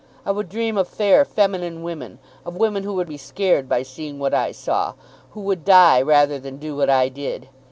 I would dream of fair, feminine women, of women who would be scared by seeing what I saw, who would die rather than do what I did.